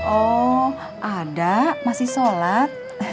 oh ada masih sholat